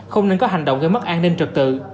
không nên có hành động gây mất an ninh trực tự